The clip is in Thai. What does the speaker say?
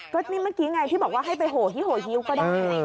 ก็นี่เมื่อกี้ไงที่บอกว่าให้ไปโหที่โหฮิ้วก็ได้